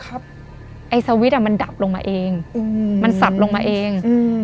ไอ้สวิตช์มันดับลงมาเองมันสับลงมาเอง